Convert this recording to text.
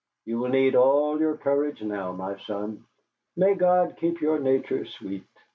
You will need all your courage now, my son. May God keep your nature sweet!"